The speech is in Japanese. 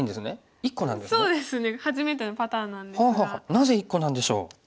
なぜ１個なんでしょう？